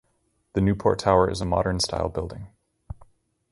The Newport Tower is a modern-style building.